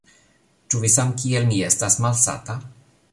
Ĉu vi samkiel mi estas malsata?